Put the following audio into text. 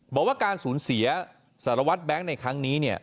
บอกว่าการสูญเสียสารวัตรแบงค์ในครั้งนี้เนี่ย